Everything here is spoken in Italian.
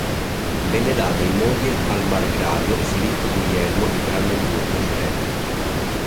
Venne data in moglie al margravio Filippo Guglielmo di Brandeburgo-Schwedt.